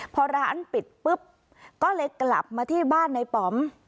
พอร้านปิดปุ๊บก็เลยกลับมาที่บ้านในป๋อม